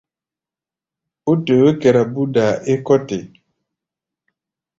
Ó toyó kɛra búdaa é kɔ́ te.